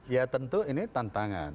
ya tentu ini tantangan